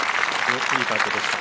いいパットでした。